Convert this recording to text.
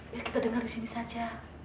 jangan ya kita dengar disini saja